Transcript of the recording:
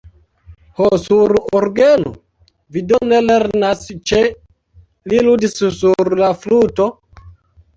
Ho, sur orgeno? Vi do ne lernas ĉe li ludis sur la fluto?